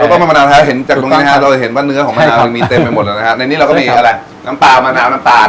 แล้วก็ไม่มะนาวฮะเห็นจากตรงนี้ฮะเราจะเห็นว่าเนื้อของมะนาวมันมีเต็มไปหมดแล้วนะฮะในนี้เราก็มีอะไรน้ำตาลมะนาวน้ำตาล